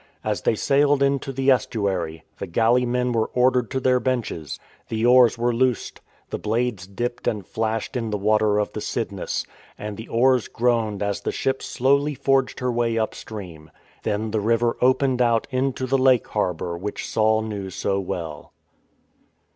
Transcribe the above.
As they sailed into the estuary, the galley men were ordered to their benches. The oars were loosed. The blades dipped and flashed in the water of the Cydnus, and the oars groaned as the ship slowly forged her way up stream. Then the 98 IN TRAINING river opened out into the Lake Harbour which Saul knew so well.